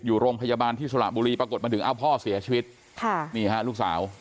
อยู่โรงพยาบาลที่สระบุรีปรากฏมาถึงอ้าวพ่อเสียชีวิตค่ะนี่ฮะลูกสาว